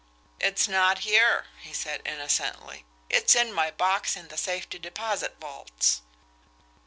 "It's not here," he said innocently. "It's in my box in the safety deposit vaults."